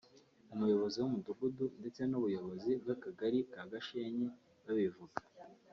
umuyobozi w’umudugudu ndetse n’ubuyobozi bw’Akagari ka Gashenyi babivuga